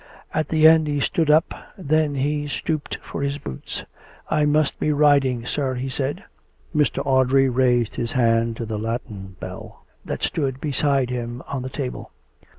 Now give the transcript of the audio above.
At the end he stood up. Then he stooped for his boots. " I must be riding, sir," he said. Mr. Audrey raised his hand to the latten bell that stood beside him on the table.